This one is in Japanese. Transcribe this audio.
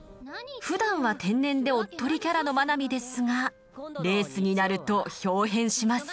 ふだんは天然でおっとりキャラの真波ですがレースになるとひょう変します。